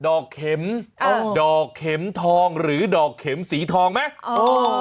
อกเข็มดอกเข็มทองหรือดอกเข็มสีทองไหม